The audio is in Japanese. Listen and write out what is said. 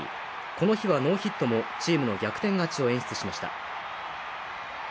この日はノーヒットも、チームの逆転勝ちを演出しました。